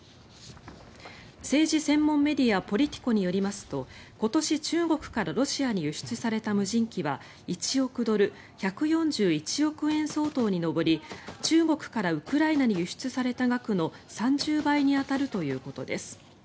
政治専門メディアポリティコによりますと今年、中国からロシアに輸出された無人機は１億ドル、１４１億円相当に上り中国からウクライナに輸出された額の３０倍に当たるということです。